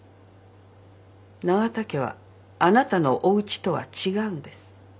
永田家はあなたのおうちとは違うんです。